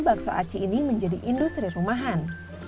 bakso aci ini menjadi industri rumahan